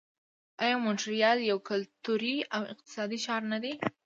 آیا مونټریال یو کلتوري او اقتصادي ښار نه دی؟